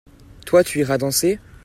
Toi tu iras danser ?